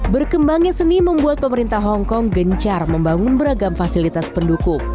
berkembangnya seni membuat pemerintah hongkong gencar membangun beragam fasilitas pendukung